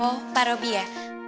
oh pak robby ya